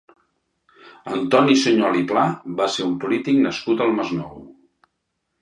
Antoni Suñol i Pla va ser un polític nascut al Masnou.